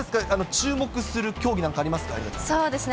注目する競技なんかありますか？